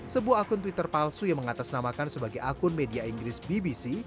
sebuah akun twitter palsu yang mengatasnamakan sebagai akun media inggris bbc